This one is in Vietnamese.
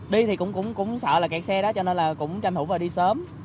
đi thì cũng sợ là kẹt xe đó cho nên là cũng tranh thủ vào đi sớm